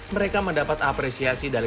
mereka mendapat apresiasi dari